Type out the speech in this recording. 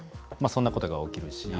そんなことが起きるし。